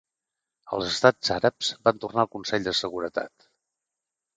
Els estats àrabs van tornar al Consell de Seguretat.